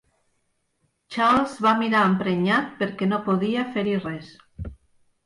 Charles va mirar emprenyat perquè no podia fer-hi res.